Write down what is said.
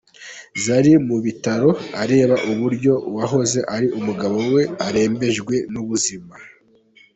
Zari mubitaro areba uburyo uwahoze ari umugabo we arembejwe n’ubuzima.